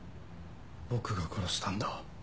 僕が殺したんだ。